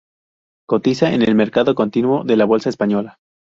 Cotiza en el mercado continuo de la bolsa española.